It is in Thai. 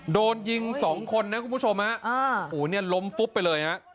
โดนยิงสองคนนะคุณผู้ชมฮะโอ้โหเนี่ยล้มฟุบไปเลยฮะ